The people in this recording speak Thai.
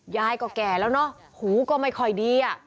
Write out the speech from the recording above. ยายก็แก่แล้วเนอะหูก็ไม่ค่อยดี